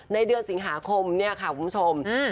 เดือนสิงหาคมเนี่ยค่ะคุณผู้ชม